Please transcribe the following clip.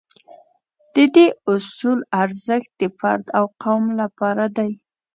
د دې اصول ارزښت د فرد او قوم لپاره دی.